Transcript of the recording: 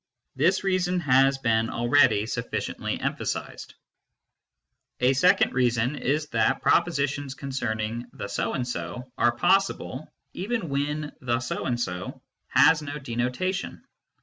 This reason has been already sufficiently emphasised. A second reason is that propositions concerning " the so and so " are possible even^vhen "the so and so " has no denotation.